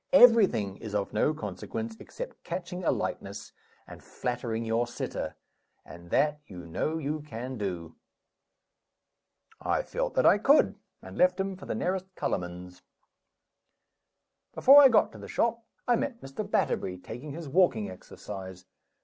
Everything is of no consequence, except catching a likeness and flattering your sitter and that you know you can do." I felt that I could; and left him for the nearest colorman's. Before I got to the shop, I met Mr. Batterbury taking his walking exercise.